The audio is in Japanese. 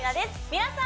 皆さん